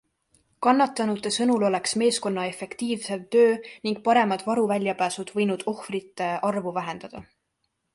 Kannatanute sõnul oleks meeskonna efektiivsem töö ning paremad varuväljapääsud võinud ohvrite arvu vähendada.